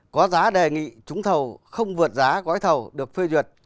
có giá đề nghị trúng thầu không vượt giá gói thầu được phê duyệt